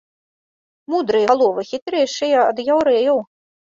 Мудрыя галовы, хітрэйшыя і ад яўрэяў.